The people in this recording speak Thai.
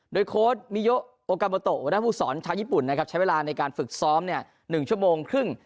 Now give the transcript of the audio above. โดยโค้ดมิโยโอกาโมโตหัวหน้าผู้สอนชาวญี่ปุ่นนะครับใช้เวลาในการฝึกซ้อม๑ชั่วโมงครึ่ง